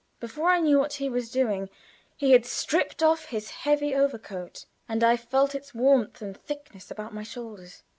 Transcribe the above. Before I knew what he was doing, he had stripped off his heavy overcoat, and I felt its warmth and thickness about my shoulders.